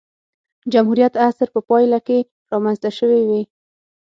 جمهوریت عصر په پایله کې رامنځته شوې وې.